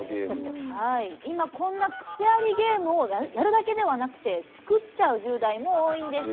今こんなクセありゲームをやるだけではなくて作っちゃう１０代も多いんです。